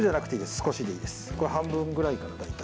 これ半分ぐらいかな大体。